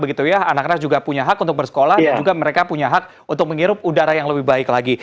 anak anak juga punya hak untuk bersekolah dan juga mereka punya hak untuk menghirup udara yang lebih baik lagi